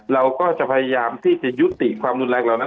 เราก็จะพยายามที่จะยุติความรุนแรงเหล่านั้น